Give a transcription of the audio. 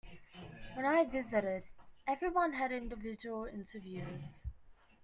When I visited everyone had individual interviews.